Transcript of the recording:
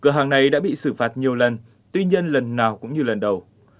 cửa hàng này đã bị sự phá trị nhiều lần tuy nhiên lần nào cũng như lần đầu